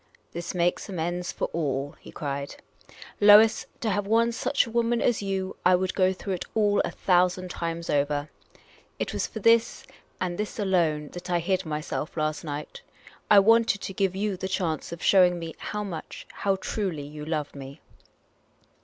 " This makes amends for all," he cried. " Lois, to have won such a woman as you, I would go through it all a thousand times over. It was for this, and for this alone, that I hid myself last night. I wanted to give you the chance of showing me how much, how truly, you loved me."